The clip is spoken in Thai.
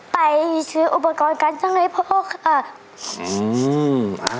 ไปซื้ออุปกรณ์การช่างให้พ่อค่ะ